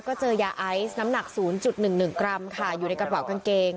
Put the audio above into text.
ก็เจอยาไอซ์น้ำหนัก๐๑๑กรัมค่ะอยู่ในกระเป๋ากางเกง